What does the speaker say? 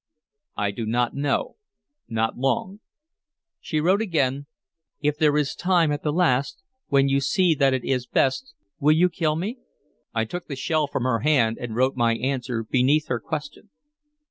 "I do not know. Not long." She wrote again: "If there is time at the last, when you see that it is best, will you kill me?" I took the shell from her hand, and wrote my answer beneath her question.